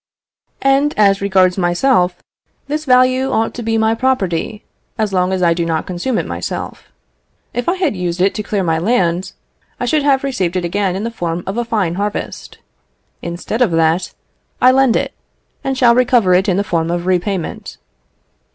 And as regards myself, this value ought to be my property, as long as I do not consume it myself. If I had used it to clear my land, I should have received it again in the form of a fine harvest. Instead of that, I lend it, and shall recover it in the form of repayment.